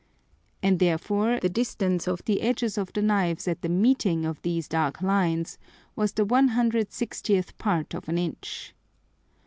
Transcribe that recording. And therefore the distance of the edges of the Knives at the meeting of these dark Lines was the 160th Part of an Inch.